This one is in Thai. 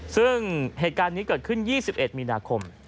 ซึ่งเหตุการณ์นี้เกิดขึ้น๒๑มีนาคม